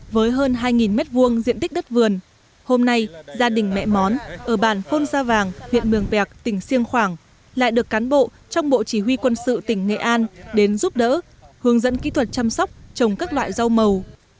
với hơn hai m hai diện tích đất vườn hôm nay gia đình mẹ món ở bàn phôn gia vàng huyện mường vẹc tỉnh siêng khoảng lại được cán bộ trong bộ chỉ huy quân sự tỉnh nghệ an đến giúp đỡ hướng dẫn kỹ thuật chăm sóc trồng các loại rau màu